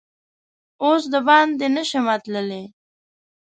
اوس دباندې نه شمه تللا ی